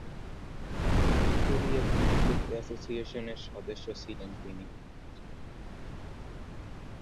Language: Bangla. ভিক্টোরিয়া ক্রিকেট অ্যাসোসিয়েশনের সদস্য ছিলেন তিনি।